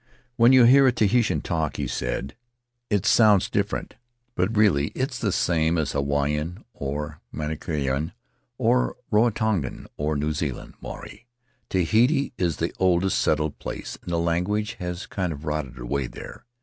"When you hear a Tahitian talk," he said, "it Faery Lands of the South Seas sounds different, but really it's the same as Hawaiian, or Marquesan, or Rarotongan, or New Zealand Maori. Tahiti is the oldest settled place, and the language has kind of rotted away there.